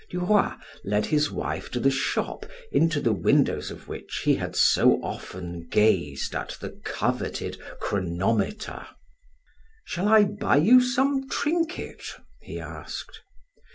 Du Roy led his wife to the shop into the windows of which he had so often gazed at the coveted chronometer. "Shall I buy you some trinket?" he asked.